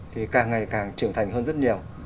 thì càng ngày càng trưởng thành hơn rất nhiều